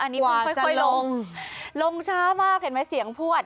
อันนี้เพิ่งค่อยลงลงช้ามากเห็นไหมเสียงพวด